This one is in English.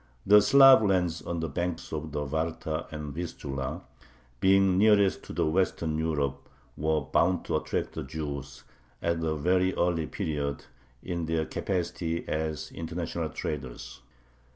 The Slav lands on the banks of the Varta and Vistula, being nearest to Western Europe, were bound to attract the Jews, at a very early period, in their capacity as international traders.